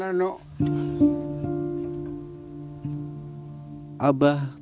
abah mencari jasa sol sepatu